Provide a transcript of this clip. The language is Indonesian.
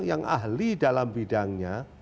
yang ahli dalam bidangnya